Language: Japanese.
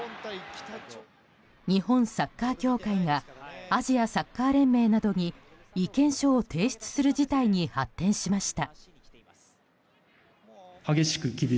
日本サッカー協会がアジアサッカー連盟などに意見書を提出する事態に発展しました。